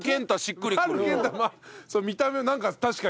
見た目はなんか確かに。